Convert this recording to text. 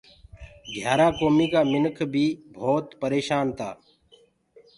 گھِيآرآ ڪوميٚ ڪآ منِک بيٚ ڀوت پريشآن تآ